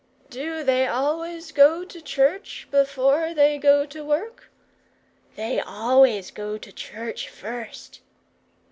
"Do they always go to church before they go to work?" "They always go to church first."